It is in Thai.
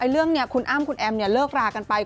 เรื่องนี้คุณอ้ำคุณแอมเลิกรากันไป